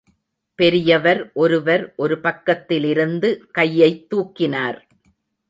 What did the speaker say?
பெரியவர் ஒருவர் ஒரு பக்கத்திலிருந்து கையைத் தூக்கினார்.